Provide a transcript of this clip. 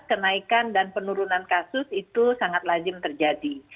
kenaikan dan penurunan kasus itu sangat lazim terjadi